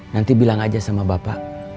nanti bilang aja sama bapak